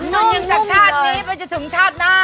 หลังจากชาตินี้ไปจนถึงชาติหน้า